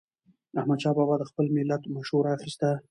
احمدشاه بابا به د خپل ملت مشوره اخیسته.